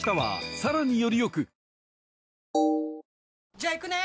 じゃあ行くね！